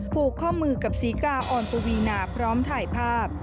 ผูกข้อมือกับศรีกาอ่อนปวีนาพร้อมถ่ายภาพ